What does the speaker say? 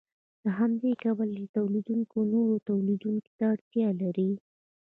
له همدې کبله هر تولیدونکی نورو تولیدونکو ته اړتیا لري